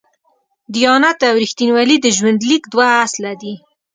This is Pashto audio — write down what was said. دیانت او رښتینولي د ژوند لیک دوه اصله دي.